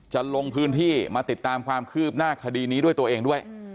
จะลงพื้นที่มาติดตามความคืบหน้าคดีนี้ด้วยตัวเองด้วย